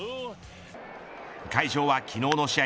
会場は昨日の試合